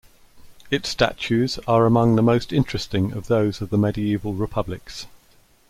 Its statutes are among the most interesting of those of the medieval republics.